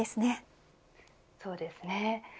そうですね。